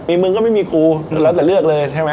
มีมึงก็ไม่มีกูเราแต่เลือกเลยใช่มั้ย